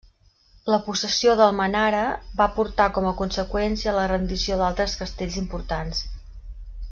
La possessió d'Almenara va portar com a conseqüència la rendició d'altres castells importants.